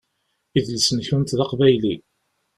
Idles-nkent d aqbayli.